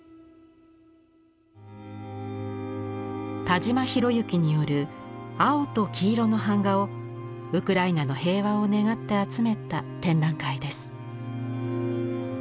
田嶋宏行による青と黄色の版画をウクライナの平和を願って集めた展覧会です。